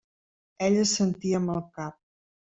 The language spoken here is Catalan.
Ell assentí amb el cap.